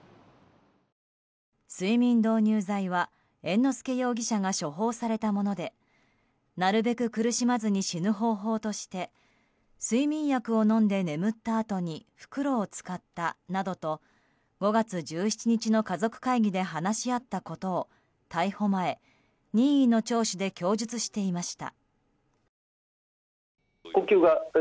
睡眠導入剤は猿之助容疑者が処方されたものでなるべく苦しまずに死ぬ方法として睡眠薬を飲んで眠ったあとに袋を使ったなどと５月１７日の家族会議で話し合ったことを逮捕前、任意の聴取で供述していました。